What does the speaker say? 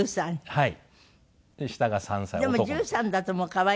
はい。